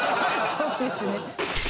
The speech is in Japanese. そうですね